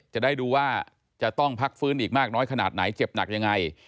จะได้ดูว่าจะต้องพักฟื้นอีกมากน้อยขนาดไหนเจ็บหนักยังไง